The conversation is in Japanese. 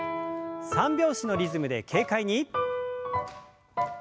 ３拍子のリズムで軽快に。